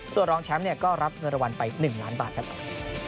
ส่วนรองแชมป์ก็รับเงินรางวัลไป๑ล้านบาทครับ